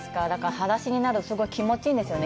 はだしになると、すごく気持ちいいんですよね。